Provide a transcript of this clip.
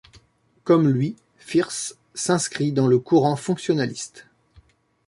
Comme lui, Firth s'inscrit dans le courant fonctionnaliste.